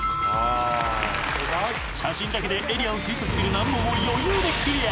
［写真だけでエリアを推測する難問を余裕でクリア］